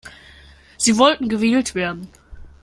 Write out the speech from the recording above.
Sie wollten gewählt werden.